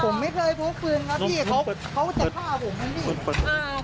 ผมไม่เคยพกพื้นครับพี่เขาจะฆ่าผมไหมพี่อ๋อ